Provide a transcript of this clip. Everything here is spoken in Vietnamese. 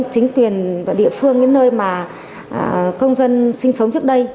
chính quyền địa phương những nơi mà công dân sinh sống trước đây